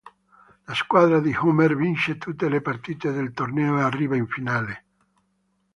La squadra di Homer vince tutte le partite del torneo e arriva in finale.